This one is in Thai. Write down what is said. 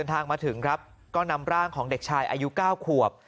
ทางมาถึงครับก็นำร่างของเด็กชายอายุ๙ขวบ